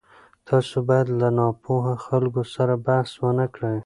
تاسو باید له ناپوهه خلکو سره بحث ونه کړئ.